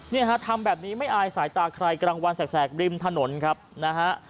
เนี่ยฮะทำแบบนี้ไม่อายสายตาใครกลางวันแสกริมถนนครับนะฮะ